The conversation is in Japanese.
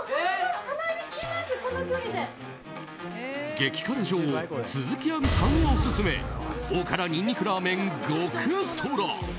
激辛女王鈴木亜美さんオススメ大辛にんにくラーメン極トラ。